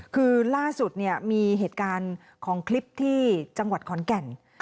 คือล่าสุดเนี่ยมีเหตุการณ์ของคลิปที่จังหวัดขอนแก่น